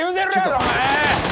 お前！